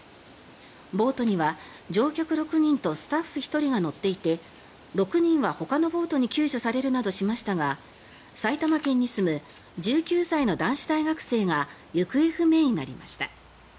ボートには乗客６人とスタッフ１人が乗っていて６人はほかのボートに救助されるなどしましたが埼玉県に住む１９歳の男子大学生が行方不明になりました。